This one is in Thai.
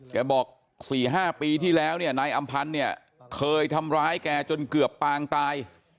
บอก๔๕ปีที่แล้วเนี่ยนายอำพันธ์เนี่ยเคยทำร้ายแกจนเกือบปางตาย